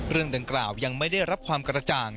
เรื่องดังกล่าวยังไม่ได้รับความกระจ่าง